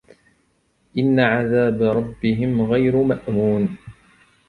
إن عذاب ربهم غير مأمون